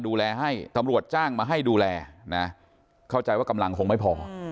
ดูแลให้ตำรวจจ้างมาให้ดูแลนะเข้าใจว่ากำลังคงไม่พอ